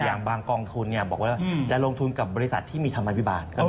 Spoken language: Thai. บางกองทุนบอกว่าจะลงทุนกับบริษัทที่มีธรรมภิบาล